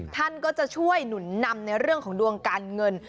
ท่านก็จะช่วยหนุนนำในเรื่องของดวงการเงิน